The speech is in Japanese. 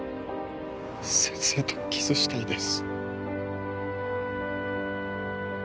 先生とキスしたいです。